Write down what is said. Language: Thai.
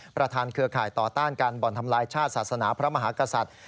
เครือข่ายต่อต้านการบ่อนทำลายชาติศาสนาพระมหากษัตริย์